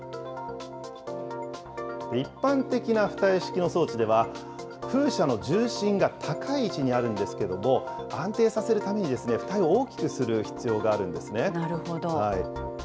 一般的な浮体式の装置では、風車の重心が高い位置にあるんですけれども、安定させるために、浮体を大きくする必要があるんですね。